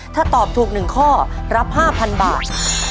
ถ้าตอบถูก๑ข้อรับ๕๐๐๐บาท